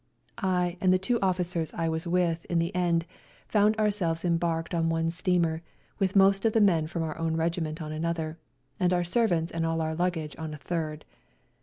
I and the two officers I was with in the end foimd ourselves embarked on one steamer, with most of the men from our own regiment on another, and our servants and all our luggage on a third.